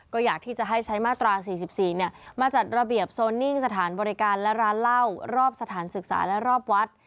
ก็อยากที่จะให้ใช้มาตรา๔๔มาจัดระเบียบโซนนิ่งสถานบริการและร้านเหล้ารอบสถานศึกษาและรอบวัด